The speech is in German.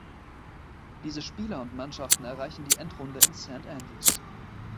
Diese Spieler und Mannschaften erreichen die Endrunde in Saint Andrews.